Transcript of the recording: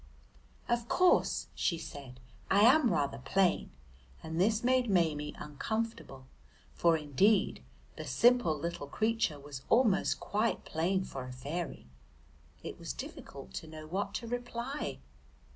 "Of course," she said, "I am rather plain," and this made Maimie uncomfortable, for indeed the simple little creature was almost quite plain for a fairy. It was difficult to know what to reply.